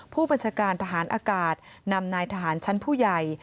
ผู้บัญชาการทหารอากาศนำนายทหารชั้นผู้ใหญ่